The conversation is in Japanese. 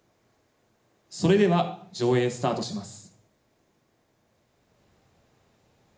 それでは上映スタートします